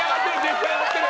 仕上がってる！